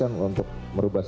aku akan berubah